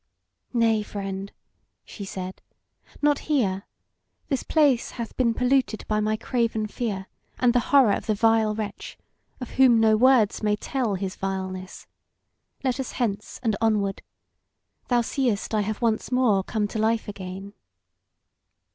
"Nay, friend," she said, "not here. This place hath been polluted by my craven fear, and the horror of the vile wretch, of whom no words may tell his vileness. Let us hence and onward. Thou seest I have once more come to life again."